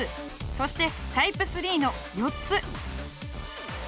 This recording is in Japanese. そしてタイプ３の４つ。